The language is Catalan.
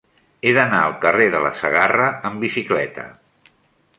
He d'anar al carrer de la Segarra amb bicicleta.